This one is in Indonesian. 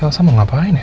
hai siapa ngapain ya